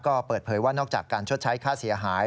ก็เปิดเผยว่านอกจากการชดใช้ค่าเสียหาย